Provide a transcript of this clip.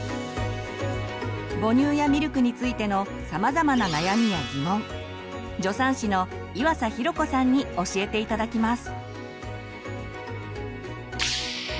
母乳やミルクについてのさまざまな悩みやギモン助産師の岩佐寛子さんに教えて頂きます。